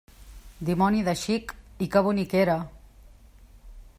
Dimoni de xic, i que bonic era!